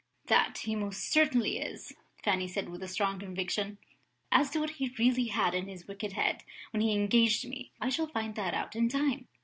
"That he most certainly is!" Fanny said with strong conviction. "As to what he really had in his wicked head when he engaged me, I shall find that out in time.